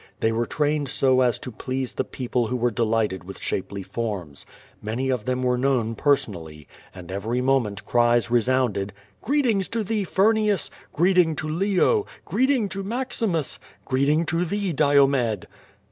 They were tmiiicd so as to please the people who were deliglited with shapely forms. ^Many of tlicm were known personally, and every moment cries resounded: Ureetings to thee, Fur nius! (ireeting to Leo! Greeting to MaximusI Greetin<r to thee, Diomed!"